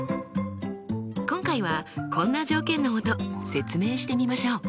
今回はこんな条件のもと説明してみましょう。